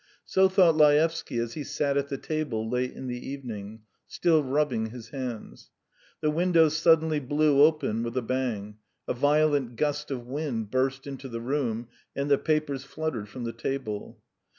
So thought Laevsky as he sat at the table late in the evening, still rubbing his hands. The windows suddenly blew open with a bang; a violent gust of wind burst into the room, and the papers fluttered from the table.